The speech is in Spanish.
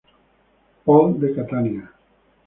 Paul" de Catania.